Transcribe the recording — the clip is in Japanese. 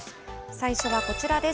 最初はこちらです。